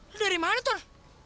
lu dari mana ton